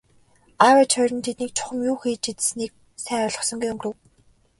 Аав ээж хоёр нь тэднийг чухам юу хийж идсэнийг сайн ойлгосонгүй өнгөрөв.